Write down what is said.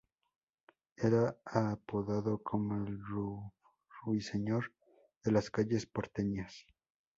Era apodado como "El ruiseñor de las calles porteñas".